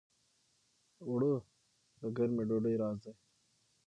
اوړه د ګرمې ډوډۍ راز دي